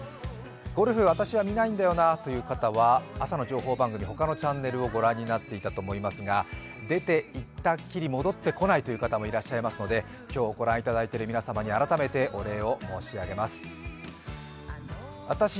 ゴルフ、私は見ないんだよなという方は、朝の情報番組、ほかのチャンネルを御覧になっていたと思いますが出て行ったっきり戻ってこないという方もいらっしゃいますので今日、ご覧いただいている皆様にお礼を申し上げたいと思います。